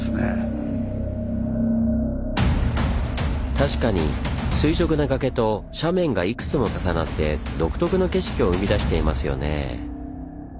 確かに垂直な崖と斜面がいくつも重なって独特の景色を生み出していますよねぇ。